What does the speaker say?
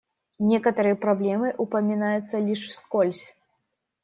Некоторые проблемы упоминаются лишь вскользь.